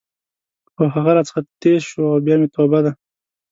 خو هغه راڅخه ټیز شو او بیا مې توبه ده.